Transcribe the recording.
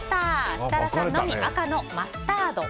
設楽さんのみ赤のマスタード。